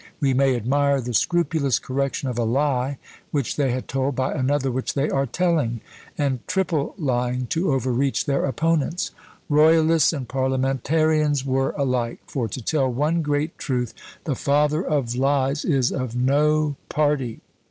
we may admire the scrupulous correction of a lie which they had told, by another which they are telling! and triple lying to overreach their opponents. Royalists and Parliamentarians were alike; for, to tell one great truth, "the father of lies" is of no party!